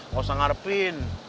gak usah ngarepin